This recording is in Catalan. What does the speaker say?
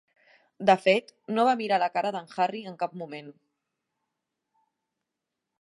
De fet, no va mirar la cara d'en Harry en cap moment.